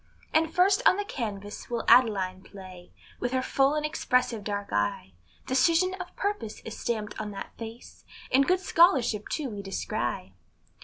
And first on the canvass we'll Adeline place, With her full and expressive dark eye; Decision of purpose is stamped on that face, And good scholarship too we descry.